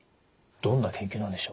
どんな研究なんでしょう？